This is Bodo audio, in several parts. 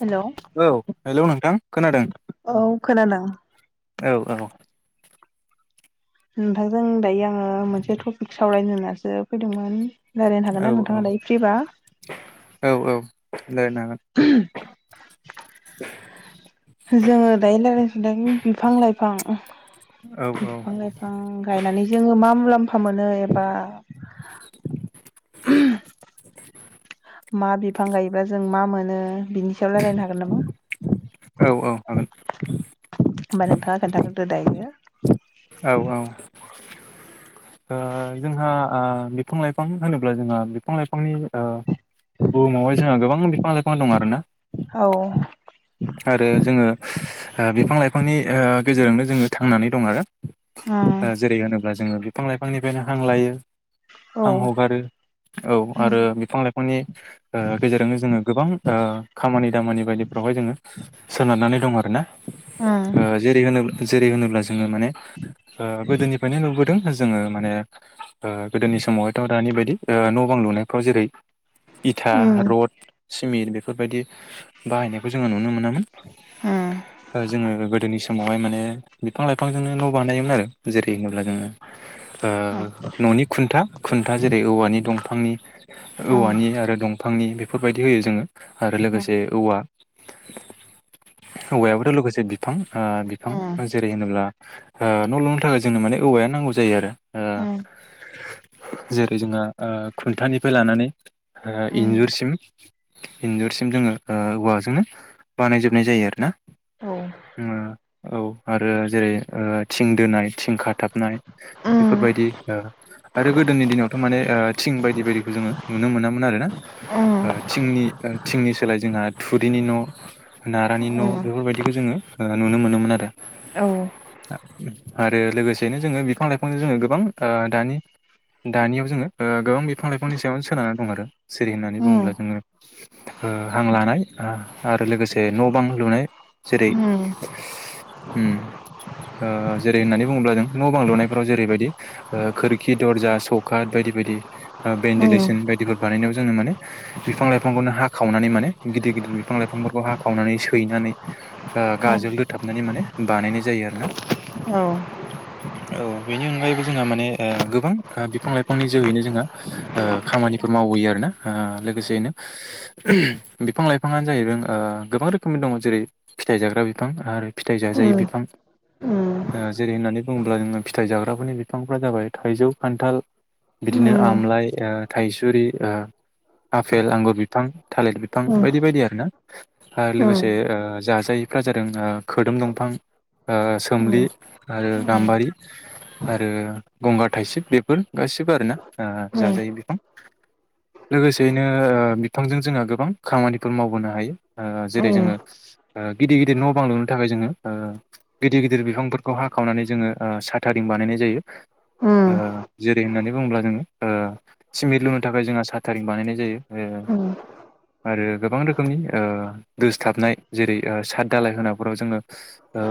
हेलौ औ हेलौ नोंथां खोनादों? औ खोनादों। औ औ नोंथांजों दायो आङो मोनसे टपिक सावरायनो होननानैसो फैदोंमोन। रायज्लायनो औ हागोन ना नोंथाङा दायो फ्रिबा? औ औ रायज्लायनो हागोन। जोङो दायो रायज्लायनो सनदों बिफां लाइफां। हागोन बिफां लाइफां गायनानै जोङो मा मुलाम्फा मोनो एबा। मा बि बिफां गायोब्ला जों मा मोनो बिनि सायाव रायज्लायनो हागोन नामा? औ औ हागोन। होमबा नोंथाङा खोन्था गोरदो दायो। औ औ ओ-जोंहा ओ-बिफां लाइफां होनोब्ला जोंहा बिफां लाइफांनि ओ- बुहुमावहाय जोंहा गोबां बिफां लाइफां दं आरो ना। औ आरो जोङो ओ- बिफां लाइफांनि ओ-गेजेरजोंनो जोङो थांनानै दं आरो। ओ-जेरै होनोब्ला जोङो बिफां लाइफांनिफ्रायनो हां लायो। उम औ हां हगारो औ आरो उम बिफां लाइफा फांनि ओ-गेजेरजोंनो जोङो ओ-गोबां खामानि दामानि बायदिफ्रावहाय जोङो। सोनारनानै दं आरो ना उम ओ- जेरै होनोब् जेरै होनोब्ला जोङो माने ओ-गोदोनिफ्रायनो नुबोदों जोङो माने ओ- गोदोनि। नि समावहायथ' दानि बायदि ओ-न' बां लुनायफ्राव जेरै इथा उम रड सिमेन्ट बेफोरबायदि बाहायनायखौ जोङो नुनो। मोनामोन उम जोङो गोदोनि समावहाय माने बिफां लाइफांजोंनो न' बानायोमोन आरो जेरै होनोब्ला जोङो ओ- न'नि खुन्था। खुन्था जेरै औवानि दंफांनि औ औवानि आरो दंफांनि बेफोरबायदि होयो जोङो। आरो लोगोसे औवा। [inaudible] [unintelligible] औवायाबोथ' लोगोसे बिफां ओ- बिफां जेरै होनोब्ला ओ- न' लुनो थाखाय जोंनो माने औवाया। नांगौ जायो आरो ओ जेरै जोंहा खुन्थानिफ्राय लानानै इन्जुरसिम इन्जरसिम जोङो औवाजोंनो बानायजोबनाय जायो आरू ना औ आरो जेरै थिं दोनाय थिं खाथाबनाय बे उम बेफोरबायदि आरो गोदोनि दिनावथ' माने थिं बायदि बायदिखौ जोङो नुनो मोनामोन आरो ना उम थिंनि थिंनि सोलाय जोंहा थुरिनि न' नारानि न' उम बेफोरबायदिखौ जोङो नुनो मोनोमोन आरो औ आरो लोगोसेनो जोङो बिफां लाइफांजों जोङो गोबां दानि दानियाव जोङो गोबां बिफां लाइफांनि सायावनो सोनारनानै दं आरो सिरि होननानै बुङोब्ला जोङो हां लानाय आरो लोगोसे न' बां लुनाय जेरै उम ओ जेरै होननानै बुङोब्ला जों न' बां लुनायफोराव जेरैबायदि खोरखि दरजा सखा बायदि बायदि भेनदेलेसन बानायनायाव जोो माने बिफां लाइफांखौनो हाख खावनानै माने गिदिर गिदिर बिफां लाइफांफोरखौ खावनानै सैनानै गाजोल दोथाबनानै माने बानायनाय जायो आरो ना औ औ बेनि अनगायैबो जोंहा माने गोबां बिफां लाइफांनि जोहैनो जोंहा खामानिफोर मावो मावयो आरोना लोगोसेयैनो बिफां लाइफाङानो जाहैदों गोबां रोखोमनि दङ जेरै फिथाइ जाग्रा बिफां आरो फिथाइ जाजायै बिफां जेरै होननानै बुङोब्ला जोङो फिथाइ जाग्राफोरनि बिफांफोरा जाबाय थाइजौ खान्थाल बिदिनो आमलाइ थाइसुरि आफेल आंगुर बिफां थालिर बिफां बायदि बायदि आरो ना आरो लोगोसे जाजायैफ्रा जादों खोदोम दंफां सोमलि आरो गाम्बारि आरो गंगार थाइसेब बेफोर गासिबो आर ना जाजायो बेफां लोगोसेयैनो बिफांजों जोंहा गोबां खामानिफोर मावबोनो हायो ओ जेरै जोङो गिदिर गिदिर न' बांलुनो थाखाय जोङो गिदिर गिदिर बिफांफोरखौ हाखावनानै जोङो साथारिबा बानायनाय जायो ओ जेरै होननानै बुङोब्ला जोङो ओ सिमेन्ट लुनो थाखाय जोंहा साटारिं बानायनाय जायो। आरो गोबां रोखोमनि दोस्लाबनाय जेरै साद दालाय होनाफोराव जोङो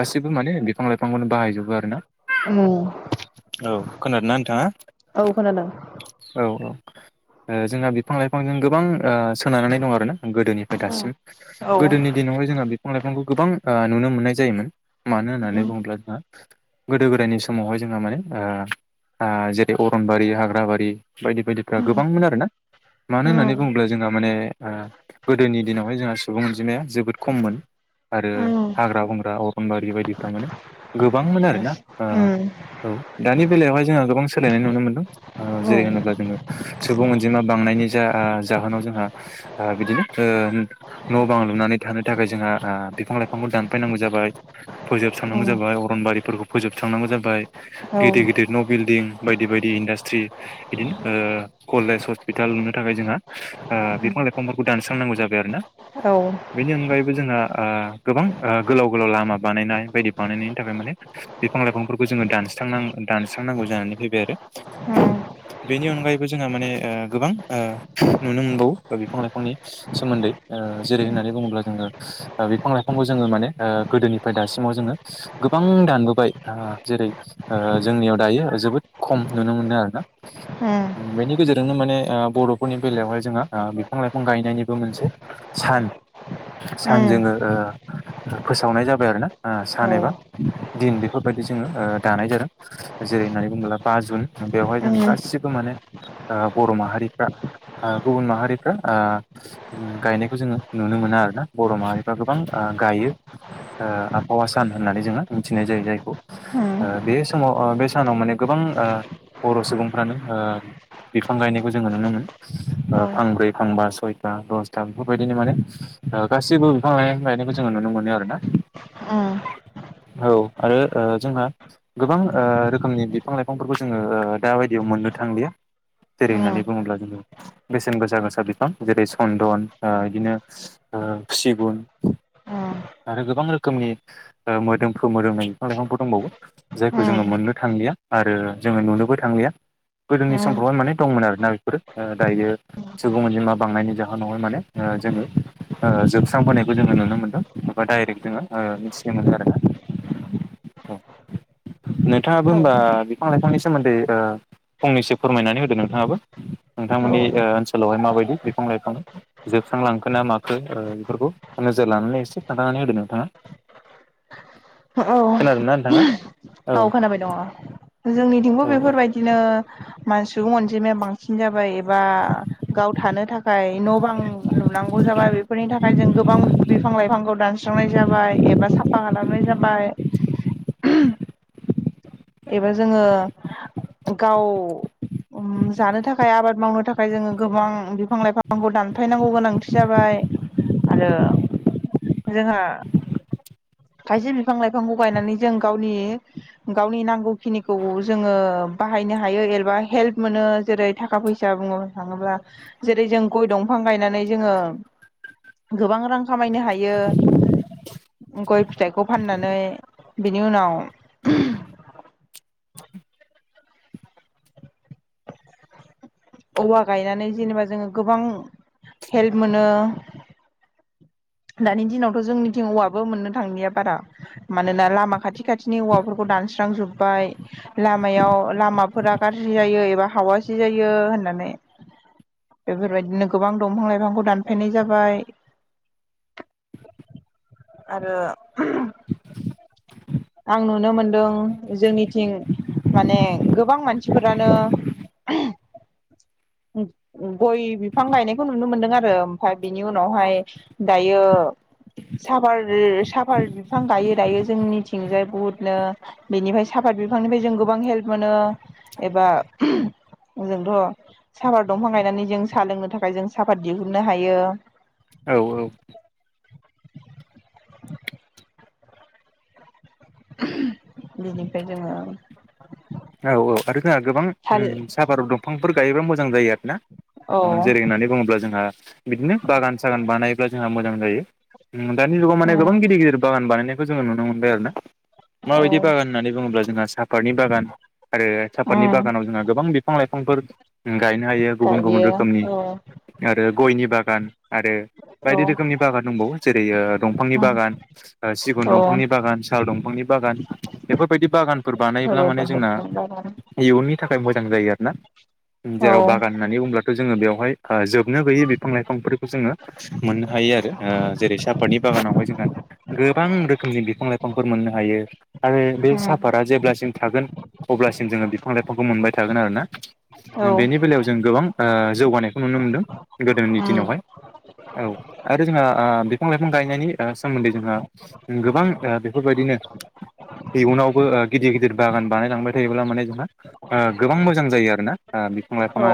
गासिबो माने बिफां लाइफांखौनो बाहायजोबो ना उम औ खोनादोंना नोंथाङा औ खोनादों औ औ ओ जोंहा बिफां लाइफांजों गोबां ओ सोनारनानै दं आर ना गोदोनिफ्राय उम, दासिम औ गोदोनि दिनावहाय जोंना बे फां लाइफांखौ गोबां नुनो मोननाय जायोमोन मानो उम, होननानै बुङोब्ला जोंहा गोदो गोदायनि समावहाय जोंहा आ माने आ जेरै अरनबारि हाग्राबारि बायदि बायदिफ्रा उम, गोबांमोन आरोना मानो होननानै उम, बुङोब्ला जोंहा माने गोदोनि दिनावहाय जोंहा सुबुं अनजिमाया जोबोद खममोन आरो उम, हाग्रा बंग्रा अरनबारि बायदिफ्रा माने गोबांमोन आरोना उम, औ दानि बेलायावहाय जोंहा गोबां सोलायनाय नुनो मोनदों औ जेरै उम, होनोब्ला जोङो सुबुं अनजिमा बां नि जा जाहोनाव जोंहा बिदिनो ओ न' बां लुनानै थानो थाखाय जोंहा आ बिफां लाइफांखौ दानफायनांगौ जाबाय फोजोब फोब औ थांनांगौ उम, जाबाय अरनबारिफोरखौ फोोब थांनांगौ जाब औ गिद उम, गिदिर न' बिल्डिं बायदि बायदि इन्डास्ट्रि ओ कलेज हस्पिटाल नुनो थाखाय जोंहा ओ उम, उम, औ उम, बिफां लाइफांफोरखौ दान फसांनांगौ जाय आरो ना औ जोंहा ओ गोबां ओ गोलाव-गोलाव लामा बानायनाय बायदि बानायनायनि थाखाय माने बिफां लाइफांफोरखौ जोंङो दांस्रांनां दानस्रांनांगौ जानानै फैबाय आरो उम, बेनि अनगायैबो जोंहा माने ओ गोबां ओ नुनो मोनबावो बिफां लाइफांनि सोमोन्दै ओ जेरै होननानै बुङोब्ला जोङो बिफां लाइफांखौ जोङो ओ माने गोदोनिफ्राय दासि म जोङो गोबां दानबोबाय ओ जेरै जोंनियाव दायो जोबोद खम नुनो मोनो नो आरो ना बेनि गेजेरजोंनो माने ओ बर'फोरनि बेलायाव जोंहा बिफां लाइफां गाय नायनिबो मोनसे सान सान उम, जोङो ओ फोसावनाय जाबाय आरोना सान उम, एबा दिन बेफोरबायदि जोंङो ओ दानाय जादों जेरै होननानै बुंङोब्ला बा जुन। बेवहाय जों गासिबो माने ओ बर' माहारिफ्रा ओ गुबुन माहारिफ्रा ओ। अम गायनायखौ जोंङो नुनो मोना आरोना बर' माहारिफ्रा गोबां ओ गायो ओ आब हावा सान होननानै जोंङो मिथिनाय जायो जायखौ उम, ओ बे समाव ओ बे सानाव माने गोबां ओ। बर' सुबुंफ्रानो ओ बिफां गायनायखौ जोंङो नुनो मोन ओ फांब्रै फांबा सय। बा दसथा बेफोरबायदिनो माने ओ गासिबो बिफां लाइफां गायनायखौ जोंङो नुनो मोनो आरो ना। अम औ आरो ओ जोंना गोबां ओ रोखोमनि बिफां लाइफांफोरखौ जोंङो ओ दाबायदियाव। मोननो थांलिया जेरै होननानै बुंङोब्ला जोंङो बेसेन गोसा- गोसा बिफां। जेरै सन्दन ओ इदिनो ओ सिगुन। आरो गोबां रोखोमनि ओ मोदोमफ्रु मोदोमनाय बिफां लाइफांफोर दंबावो। जायखौ जोंङो मोननो थांलिया आरो जोंङो नुनोबो थांलिया। गोदोनि समफ्रावहाय माने दंमोन आरोना बेफोरो ओ दायो सुबुं अनजिमा। बांनायनि जाहोनावहाय माने ओ जोंङो ओ जोबस्रांबोनायखौ जोंङो नुनो मोनदों एबा डाइरेक्ट जोंङो। ओ मिथिनो मोनो आरोना। [inaudible] नोंथांङाबो होमबा बिफां लाइफांनि सोमोन्दै ओ फंनैसो फोरमायनानै होदो नोंथांङाबो। औ नोंथांमोननि ओनसो लावहाय माबायदि बिफां-लाइफां जोबस्रांलांखोना माखो ओ बिफोरखौ नोजोर लानानै एसे खोनथाना नो होदो नोंथांङा। [inaudible] हो औ नोंथाङा औ खोनाबाय दंङ जोंनिथिंबो औ बेफोरबायदिनो। ओ मान सुबुं अनजिमाया बांसिन जाबाय ए बा गाव थानो थाखाय न' बां लुनांगौ जाबाय बेफोरनि थाखाय जों गोबां बि फां लाइफांखौ दानस्रांनाय जाबाय एबा साफा खालामनाय जाबाय। एबा जोंङो गाव। अम जानो थाखाय आबाद मावनो थाखाय जोंङो गोबां बिफां लाइफांखौ दानफायनांगौ गोनांथि जाबाय। नै आरो जोंहा। खायसे बिफां लाइफांखौ गायनानै जों गावनि गाव नि नांगौखिनिखौ जोंङो बाहायनो हायो एबा हेल्प मोनो जेरै थाखा फैसा बुंङो। थांङोब्ला जेरै जों गय दंफां गायनानै जोंङो। गोबां रां खामायनो हायो। गय फिथाइखौ फाननानै बिनि उनाव। औवा गायनानै जेनेबा जोंङो गोबां हेल्प मोनो। [inaudible] दानि दिनावथ जोंनिथिं औवाबो मोननो थांलिया बारा मानोना लामा खाथि खाथिनि औवाफोरखौ दान स्रां जोबबाय लामायाव लामाफोरा गारजि जायो एबा हावासि जायो होन नानै। बेफोरबायदिनो गोबां दंफां लाइफांखौ दानफायनाय जाबाय। आरो। [inaudible] आं नुनो मोनदों जोंनिथिं। माने गोबां मानसिफोरानो। उम्म उम्म गय बिफां गायनायखौ नुनो मोनदों आरो ओमफाय बिनि उनावहाय दायो। साफार साफार बिफां गायो दायो जोंनिथिंजाय बुहुथनो बेनिफाय साफाद। फाद बिफांनिफाय जों गोबां हेल्प मोनो एबा जोंथ। साफाद दंफां गायनानै जों साहा लोंनो थाखाय जों साफाद दिहुननो हायो। बिनिफाय जोंङो। औ औ आरो जोंहा गोबां उम्म थाल उम्म साफार दंफांफोर गायोबा मोजां जायो औ आरोना। जेरै होननानै बुंङोब्ला जोंहा बिदिनो बागान सागान बानायब्ला जोंहा मोजां जायो। दानि जुगाव माने गोबां गिदिर गिदिर बागान बानायनायखौ जोडों नुनो मोनबाय आरोना औ माबायदि बागान होननानै बुङोब्ला जोंहा साफातनि बागान आरो साफातनि औ बागानाव जोंहा गोबां बि बिफां लाइफांफोर गायनो हायो गुबुन गायो गुबुन रोखोमनि औ आरो गयनि बागान आरो औ बायदि रोखोमनि बागान दंबावो जेरै ओ दंफांनि उम बागान ओ सिगुन औ दंफांनि बागान साल दंफांनि बागान बेफोरबायदि बागानफोर बानायोब्ला रबार माने जोंना दंफां औ खोनादों फ्राय मोजां जायो आरोना ओम जेराव बागान होननानै बुंब्ला जोंयो बेहाय हो जोबनो गैयै बिफां लाइफांफोरखौ जोंयो मोननो हायो आरो हो जेरै साफाथनि बागान बागानावहाय जोंहा गोबां रोखोमनि बिफां लाइफांफोर मोननो हायो आरो बे उम साफातआ जेब्लासिम थागोन अब्लासिम जोङो बिफां लाइफांखौ मोनबाय थागोन आरोना औ ओ बेनि बेलायाव जों गोबां ओ जौगानायखौ नुनो मोनदों गोदोनि उम दिनावहाय औ आरो जोंहा ओ बिफां लाइफां गायनायनि ओ सोमोनदोयै जोंहा गोबां ओ बेफोरबायदि इयुनावबो ओ गिदिर गिदिर बागान बानायलांबाय थायोब्ला माने जोंहा ओ गोबां मोजां जायो आरोना ओ बिफां लाइफाङा औ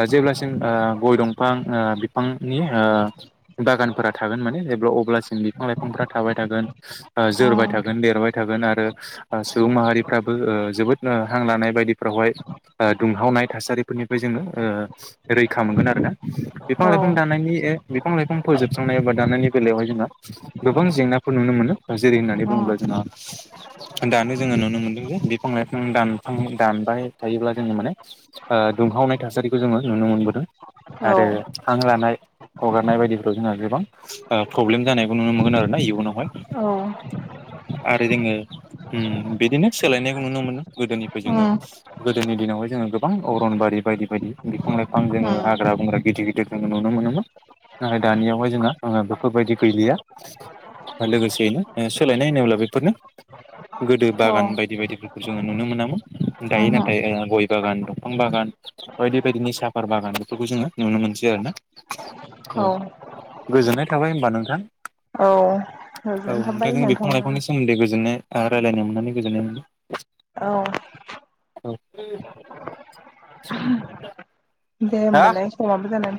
ओ जेब्लासिम ओ गय दंफां ओ बिफांनि ओ बागानफोरा थागोन माने जेब्ला अब्लासिम बिफां बिफां लाइफांफ्रा थाबाय थागोन ओ जोरबाय उम थागोन देरबाय थागोन आरो ओ‌ सुबुं माहारिफ्रा ओ ओ जोबोद ओ हां लानाय बायदिफ्रावहाय ओ दुंहावनाय थासारिफोरनिफ्राय जोङो ओ रैखा मोनगोन आरोना औ बिफां उम लाइफां दानायनि ए बिफां लाइफां फोजोबस्रांनाय एबा दानायनि बेलायावहाय जोंहा गोबां जेंनाफोर नुनो मोनो जेरै होननानै बुङोब्ला जों ओ‌ दानो जोङो नुनो मोनदों जे बिफां लाइफां दानफां दानबाय थायोब्ला जोङो माने ओ दुंहावनाय थासारिखौ जोङो नुनो मोनबोदों औ आरो हां लानाय हगारनाय बायदिफोर जोंहा गोबां ओ प्रब्लेम जानायबो नुनो मोनगोन आरोना इयुनावहाय आरो जोङो ओम बिदिनो सो सोलायनायखौ नुनो मोनो गोदोनिफ्राय जोङो उम गोदोनि दिनावहाय जोङो गोबां अरनबारि बायदि बायदि बिफां लाइफां बिफां उम जोङो हाग्रा बंग्रा गिदिर गिदिर जोङो नुनो मोनोमोन नाथाय दानियावहाय जोंहा बेफोरबायदि गैलिया लोगोसेयैनो सोलायनाय होनोब्ला बेफोरनो गोदो औ बागान बायदि बायदिफोरखौ जोङो नुनो मोनामोन दायो नाथाय उमहो ओ गय बागान दंफां बागान बायदि बायदिनि साफार बागान बेफोरखौ जोङो नुनो मोनसै आरोना औ गोजोननाय थाबाय होमबा नोंथां औ औ गोजोननाय ओमफ्राय थाबाय जों बिफां नोंथां लाइफांनि सोमोनदोयै गोजोननाय आ रायलायनो मोननानै गोजोननाय औ मोनदों औ दे हा होमबालाय समाबो जाबाय